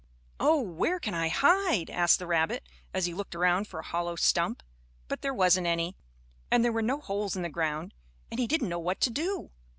"Oh! where can I hide?" asked the rabbit, as he looked around for a hollow stump. But there wasn't any, and there were no holes in the ground, and he didn't know what to do.